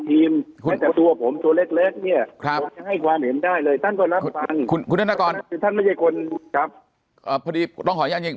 ฟังนักประทับการณ์ฟัง